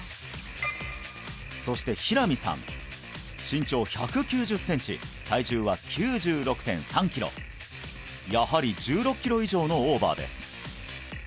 そして平見さん身長１９０センチ体重は９６．３キロやはり１６キロ以上のオーバーです